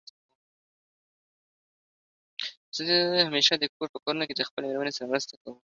زه همېشه دکور په کارونو کې د خپلې مېرمنې سره مرسته کوم.